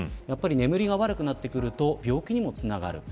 眠りが悪くなってくると病気にもつながる。